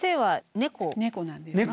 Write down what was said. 猫なんですね。